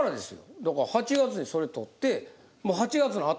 だから８月にそれ獲って。